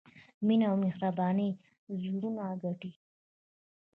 مینه او مهرباني زړونه ګټي.